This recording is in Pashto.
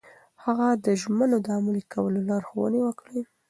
هغه د ژمنو د عملي کولو لارښوونې وکړې.